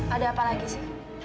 ada apa lagi sih